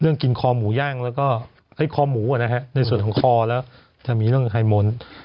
เรื่องกินคอหมูย่างแล้วก็เอ้ยคอหมูอ่ะนะครับในส่วนของคอแล้วจะมีเรื่องไฮมนต์